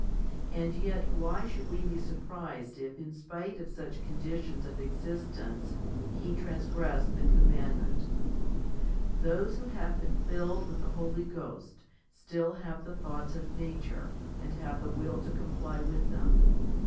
And yet why should we be surprised if in spite of such conditions of existence he transgressed the commandment ? Those who have been filled with the Holy Ghost still have the thoughts of nature, and have the will to comply with them.